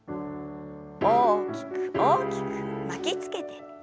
大きく大きく巻きつけて。